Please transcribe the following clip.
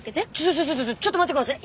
ちょちょちょちょっと待って下さい！